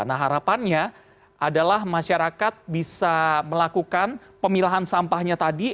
nah harapannya adalah masyarakat bisa melakukan pemilahan sampahnya tadi